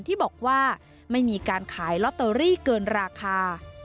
ที่บอกว่าไม่มีการขายลอตเตอรี่เกินราคา